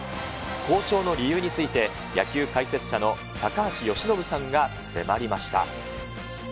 好調の理由について、野球解説者の高橋由伸さんが迫りました。